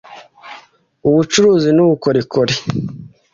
ubucuruzi n’ubukorikori